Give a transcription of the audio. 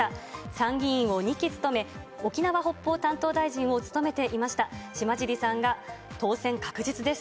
参議院を２期務め、沖縄・北方担当大臣を務めていました島尻さんが当選確実です。